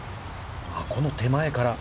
この手前から。